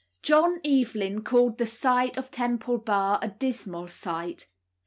John Evelyn calls the sight of Temple Bar "a dismal sight."